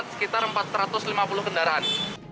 sekitar empat ratus lima puluh kendaraan